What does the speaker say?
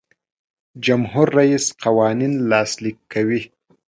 جمهور رئیس قوانین لاسلیک کوي.